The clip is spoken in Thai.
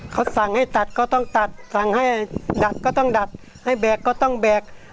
เขาสั่งให้ตัดก็ต้องตัดสั่งให้ดัดก็ต้องดัดให้แบกก็ต้องแบก